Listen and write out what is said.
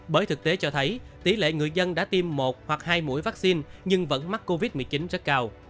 bởi thực tế cho thấy tỷ lệ người dân đã tiêm một hoặc hai mũi vaccine nhưng vẫn mắc covid một mươi chín rất cao